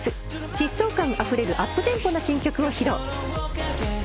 疾走感あふれるアップテンポな新曲を披露。